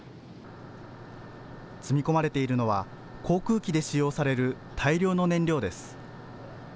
積み込まれているのは航空機で使用される大量の燃料です。